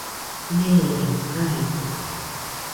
Neeremo jaide.